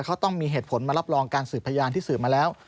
เขาต้องมีเหตุผลมารับรองการสืบพยานที่สืบมาแล้ว